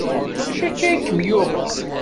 D acu akka i kem-yuɣen?